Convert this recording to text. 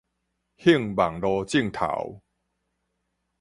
興網路症頭